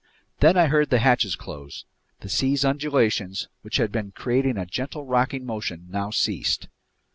Then I heard the hatches close. The sea's undulations, which had been creating a gentle rocking motion, now ceased.